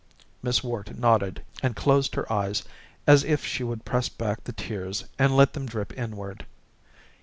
Miss Worte nodded and closed her eyes as if she would press back the tears and let them drip inward.